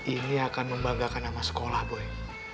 ini akan membanggakan sama sekolah boy